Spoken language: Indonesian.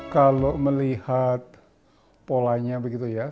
kalau melihat polanya begitu ya